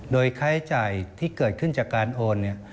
โดยค่าใช้จ่ายที่เกิดขึ้นจากการโอนเนี่ย